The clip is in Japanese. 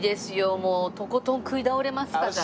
もうとことん食い倒れますかじゃあ。